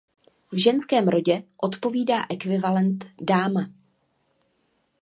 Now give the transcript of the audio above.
V ženském rodě odpovídá ekvivalent dáma.